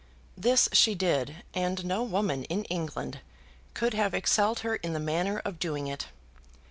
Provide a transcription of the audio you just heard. This she did, and no woman in England could have excelled her in the manner of doing it.